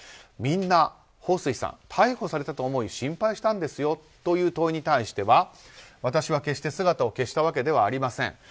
みんな、ホウ・スイさん逮捕されたと思い心配したんですよという問いに対しては私は決して姿を消したわけではありません。